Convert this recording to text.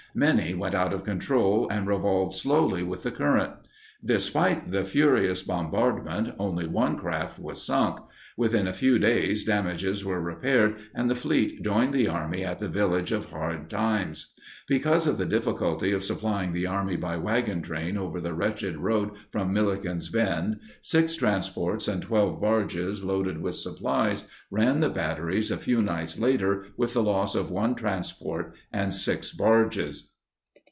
Many went out of control and revolved slowly with the current. Despite the furious bombardment, only one craft was sunk; within a few days damages were repaired and the fleet joined the army at the village of Hard Times. Because of the difficulty of supplying the army by wagon train over the wretched road from Milliken's Bend, 6 transports and 12 barges loaded with supplies ran the batteries a few nights later with the loss of 1 transport and 6 barges.